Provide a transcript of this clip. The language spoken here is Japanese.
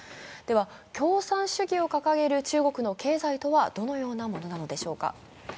では共産主義を掲げる中国の経済とはどういうものなのでしょうか。